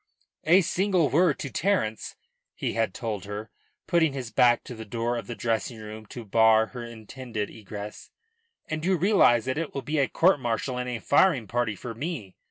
"A single word to Terence," he had told her, putting his back to the door of the dressing room to bar her intended egress, "and you realise that it will be a court martial and a firing party for me."